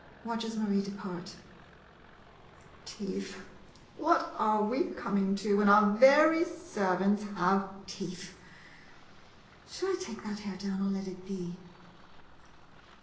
[Watches Marie depart.] Teeth ! What are we coming to, when our very servants have teeth! Shall I take that hair down or let it be?